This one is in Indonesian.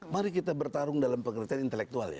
mari kita bertarung dalam pengertian intelektual ya